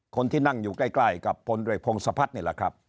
คนที่นั่งอยู่ใกล้กับพลเอกพงศพัฒน์นี่แหละครับ